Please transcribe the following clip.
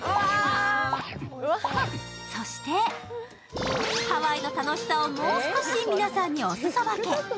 そしてハワイの楽しさをもう少し皆さんにおすそ分け。